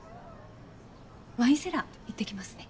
ワインセラー行ってきますね。